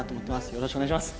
よろしくお願いします。